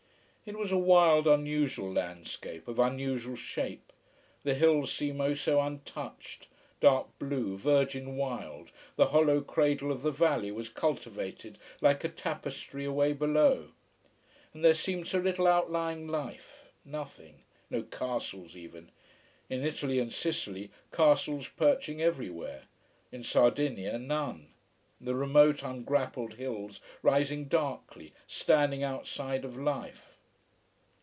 It was a wild, unusual landscape, of unusual shape. The hills seemed so untouched, dark blue, virgin wild, the hollow cradle of the valley was cultivated like a tapestry away below. And there seemed so little outlying life: nothing. No castles even. In Italy and Sicily castles perching everywhere. In Sardinia none the remote, ungrappled hills rising darkly, standing outside of life.